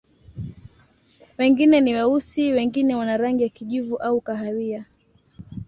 Wengine ni weusi, wengine wana rangi ya kijivu au kahawia.